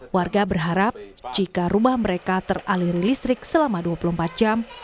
warga berharap jika rumah mereka teraliri listrik selama dua puluh empat jam